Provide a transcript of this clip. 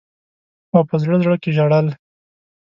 او په زړه زړه کي ژړل.